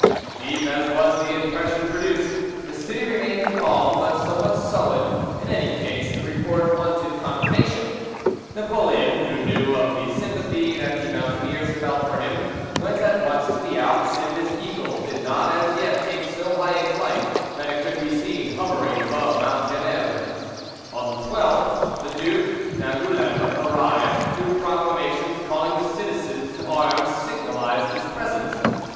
Deep as was the impression produced, the city remained calm, but somewhat sullen; in any case, the report wanted confirmation. Napoleon, who knew of the sympathy that the mountaineers felt for him, went at once into the Alps, and his eagle did not as yet take so high a flight that it could be seen hovering above Mount Geneve. On the 12th, the Duc d'Angouleme arrived: two proclamations calling the citizens to arms signalised his presence.